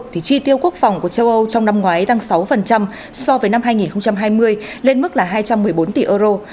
thì chi tiêu quốc phòng của châu âu trong năm ngoái tăng sáu so với năm hai nghìn hai mươi lên mức là hai trăm một mươi bốn tỷ euro